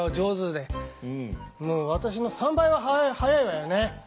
もう私の３倍は速いわよね？